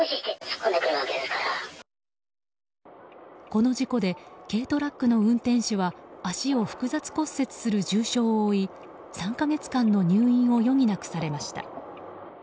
この事故で軽トラックの運転手は足を複雑骨折する重傷を負い３か月間の入院を余儀なくされました。